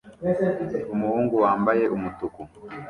Umuhungu wambaye umutuku